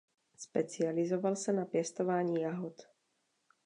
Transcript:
Specializoval se na pěstování jahod.